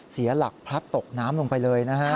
เสียหลักพลัดตกน้ำลงไปเลยนะฮะ